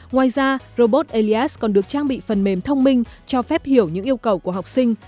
ngoài ra robot elias còn được trang bị phần mềm thông minh cho phép hiểu những yêu cầu của học sinh